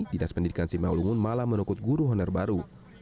dinas pendidikan simalungun malah menukut guru honor baru